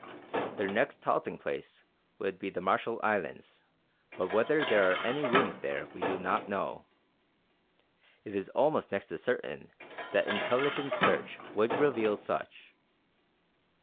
Their next halting place would be the Marshall Islands, but whether there are any ruins there we do not know. It is almost next to certain that intelligent search would reveal such.